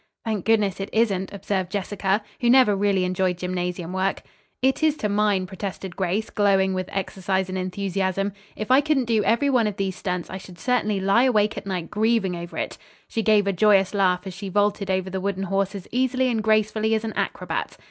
"Thank goodness it isn't," observed Jessica, who never really enjoyed gymnasium work. "It is to mine," protested Grace, glowing with exercise and enthusiasm. "If I couldn't do every one of these stunts I should certainly lie awake at night grieving over it." She gave a joyous laugh as she vaulted over the wooden horse as easily and gracefully as an acrobat.